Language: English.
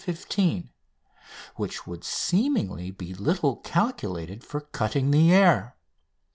15), which would seemingly be little calculated for cutting the air.